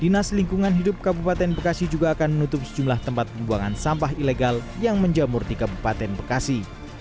dinas lingkungan hidup kabupaten bekasi juga akan menutup sejumlah tempat pembuangan sampah ilegal yang menjamur di kabupaten bekasi